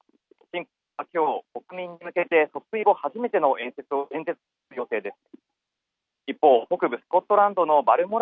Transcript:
きょう、国民に向けて即位後初めての演説をする予定です。